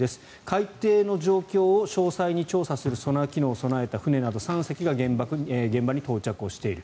海底の状況を詳細に調査するソナー機能を備えた船など３隻が現場に到着している。